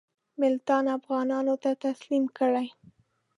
ملتان افغانانو ته تسلیم کړي.